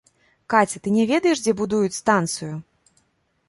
Каця, ты не ведаеш, дзе будуюць станцыю?